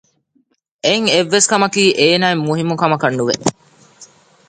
އެއިން އެއްވެސް ކަމަކީ އޭނާއަށް މުހިންމުކަމަކަށް ނުވެ